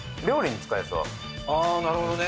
料理に使えそう。